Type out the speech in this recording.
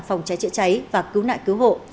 phòng cháy chữa cháy và cứu nại cứu hộ